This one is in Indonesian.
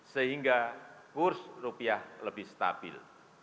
sehingga kurs rupiah lebih stabil